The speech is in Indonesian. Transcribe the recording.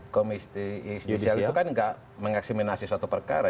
komisi judisial itu kan gak mengekseminasi suatu perkara